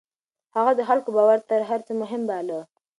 هغه د خلکو باور تر هر څه مهم باله.